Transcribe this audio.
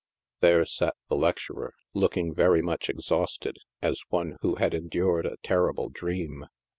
There sat the lecturer, looking very much exhausted, as one who had endured a terrible dream.